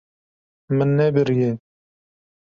Min nebiriye.